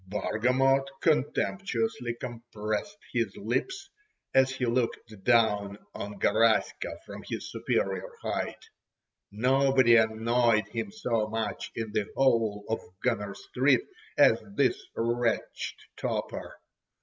Bargamot contemptuously compressed his lips, as he looked down on Garaska from his superior height. Nobody annoyed him so much in the whole of Gunner Street as this wretched toper.